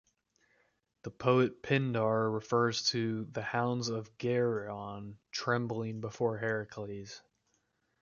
The poet Pindar refers to the "hounds of Geryon" trembling before Heracles.